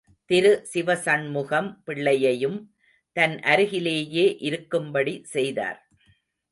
திரு சிவசண்முகம் பிள்ளையையும் தன் அருகிலேயே இருக்கும்படி செய்தார்.